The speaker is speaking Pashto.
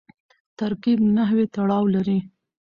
ترکیب نحوي تړاو لري.